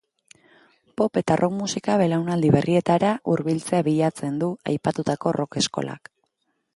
Pop eta rock musika belaunaldi berrietara hurbiltzea bilatzen du aipatutako rock eskolak.